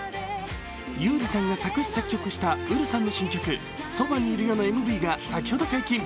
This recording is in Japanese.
優里さんが作詞・作曲したＵｒｕさんの新曲「そばにいるよ」のＭＶが先ほど解禁。